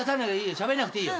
しゃべんなくていいよ。